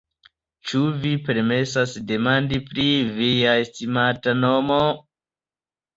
Ĉu vi permesas demandi pri via estimata nomo?